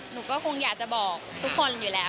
หนูก็คงอยากจะบอกทุกคนอยู่แล้ว